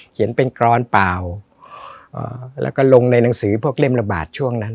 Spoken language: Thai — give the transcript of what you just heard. เห็นเป็นกรอนเปล่าแล้วก็ลงในหนังสือพวกเล่มระบาดช่วงนั้น